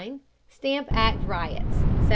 Stamp Act Riots, 1765.